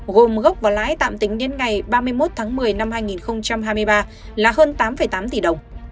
gồm gốc và lãi tạm tính đến ngày ba mươi một tháng một mươi năm hai nghìn hai mươi ba là hơn tám tám tỷ đồng